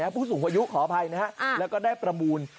ผู้สูงอายุขออภัยนะฮะแล้วก็ได้ประมูล